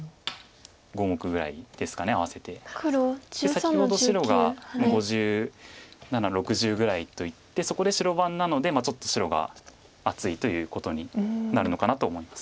先ほど白が５７６０ぐらいといってそこで白番なのでちょっと白が厚いということになるのかなと思います。